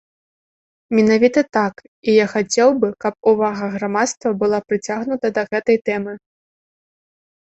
Менавіта так, і я хацеў бы, каб увага грамадства была прыцягнута да гэтай тэмы.